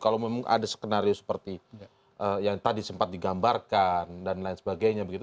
kalau memang ada skenario seperti yang tadi sempat digambarkan dan lain sebagainya begitu